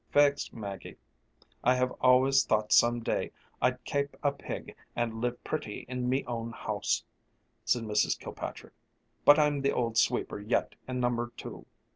"Faix, Maggie, I have always thought some day I'd kape a pig and live pritty in me own house," said Mrs. Kilpatrick. "But I'm the old sweeper yet in Number Two.